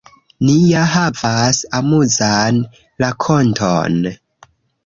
Ni ja havas amuzan rakonton